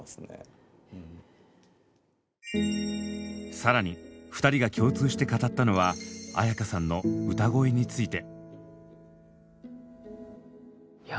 さらに２人が共通して語ったのは絢香さんの歌声について。